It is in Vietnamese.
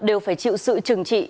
đều phải chịu sự trừng trị